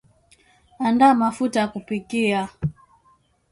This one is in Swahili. andaa mafuta ya kupikia